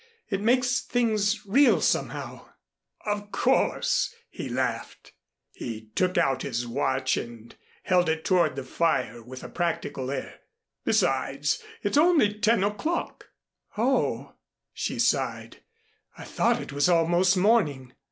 It makes things real somehow " "Of course," he laughed. He took out his watch and held it toward the fire with a practical air. "Besides it's only ten o'clock." "Oh," she sighed, "I thought it was almost morning."